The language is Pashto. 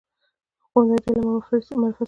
ښوونځی د علم او معرفت سرچینه ده.